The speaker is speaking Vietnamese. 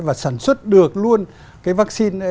để sản xuất được luôn cái vaccine